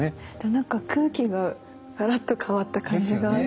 なんか空気がガラッと変わった感じがしますね。